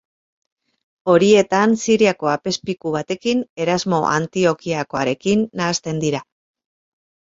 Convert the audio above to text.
Horietan Siriako apezpiku batekin, Erasmo Antiokiakoarekin, nahasten dira.